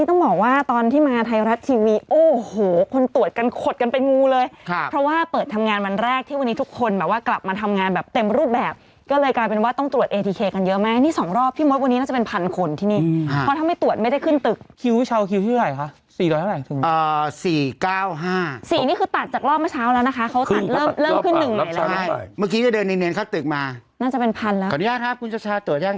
ต้องบอกว่าตอนที่มาไทยรัฐทีวีโอ้โหคนตรวจกันขดกันเป็นงูเลยเพราะว่าเปิดทำงานวันแรกที่วันนี้ทุกคนแบบว่ากลับมาทำงานแบบเต็มรูปแบบก็เลยกลายเป็นว่าต้องตรวจเอทีเคกันเยอะไหมนี่สองรอบพี่มดวันนี้น่าจะเป็นพันคนที่นี่เพราะถ้าไม่ตรวจไม่ได้ขึ้นตึกคิ้วเช้าคิ้วที่ไหนคะสี่ร้อยเท่าไหร่ถึง